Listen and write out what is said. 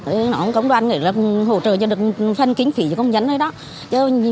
nói ông công đoàn nghĩ là hỗ trợ cho được phân kính phí cho công nhân đấy đó